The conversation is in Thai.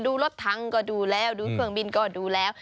ดูรถทั้งก็ดูแล้วดูเครื่องบินก็ดูแล้ว